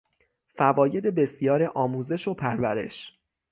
فواید بسیار آموزش و پرورش